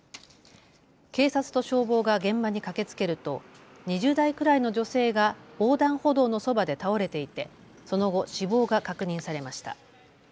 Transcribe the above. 警察と消防が現場に駆けつけると２０代くらいの女性が横断歩道のそばで倒れていてその後、死亡が確認されました。